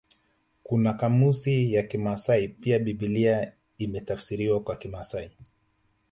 Kuna kamusi ya kimasai pia Biblia imetafsiriwa kwa kimasai